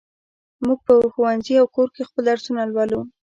موږ په ښوونځي او کور کې خپل درسونه لولو.